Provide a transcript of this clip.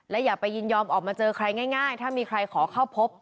อย่าไปยินยอมออกมาเจอใครง่ายถ้ามีใครขอเข้าพบ